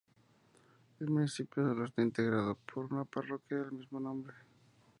El municipio sólo está integrado por una parroquia del mismo nombre.